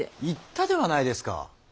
言ったではないですか。